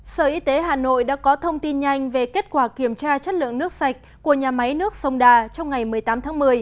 sở y tế hà nội đã có thông tin nhanh về kết quả kiểm tra chất lượng nước sạch của nhà máy nước sông đà trong ngày một mươi tám tháng một mươi